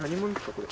これ。